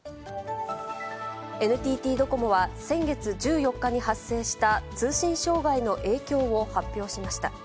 ＮＴＴドコモは先月１４日に発生した通信障害の影響を発表しました。